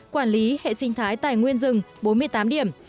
quản lý hệ sinh thái tài nguyên rừng bốn mươi tám điểm